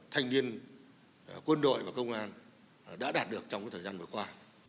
thanh niên quân đội và công an đã đạt được trong thời gian vừa qua